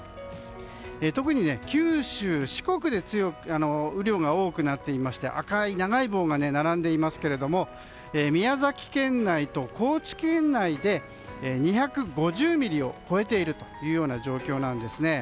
特に九州・四国で雨量が多くなっていまして赤い長い棒が並んでいますが宮崎県内と高知県内で２５０ミリを超えているという状況なんですね。